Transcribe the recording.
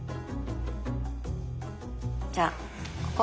じゃあここ。